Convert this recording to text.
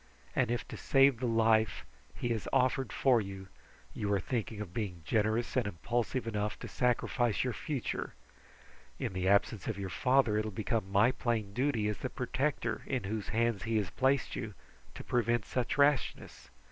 And if to save the life he has offered for you, you are thinking of being generous and impulsive enough to sacrifice your future in the absence of your father, it will become my plain duty, as the protector in whose hands he has placed you, to prevent such rashness.